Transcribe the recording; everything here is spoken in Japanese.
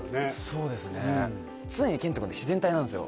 そうですね常に賢人君って自然体なんですよ